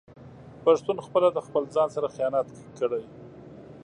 پښتون خپله د خپل ځان سره خيانت کړي